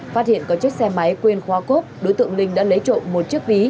phát hiện có chiếc xe máy quên khoa cốt đối tượng linh đã lấy trộm một chiếc ví